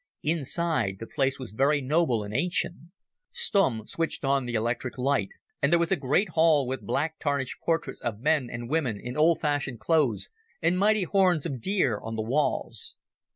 Inside the place was very noble and ancient. Stumm switched on the electric light, and there was a great hall with black tarnished portraits of men and women in old fashioned clothes, and mighty horns of deer on the walls.